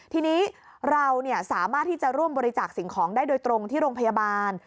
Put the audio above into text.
ทีนี้เราสามารถที่จะร่วมบริจาคสิ่งของได้โดยตรงที่โรงพยาบาล